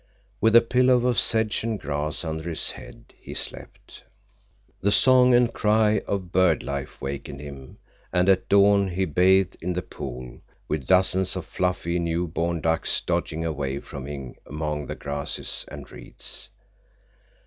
With a pillow of sedge and grass under his head he slept. The song and cry of bird life wakened him, and at dawn he bathed in the pool, with dozens of fluffy, new born ducks dodging away from him among the grasses and reeds.